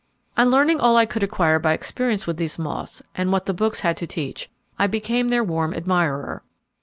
On learning all I could acquire by experience with these moths, and what the books had to teach, I became their warm admirer.